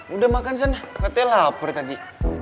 udah makan sana katanya lapar tadi